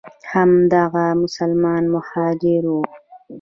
همدغه مسلمان مهاجر وو.